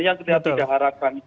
yang kita tidak harapkan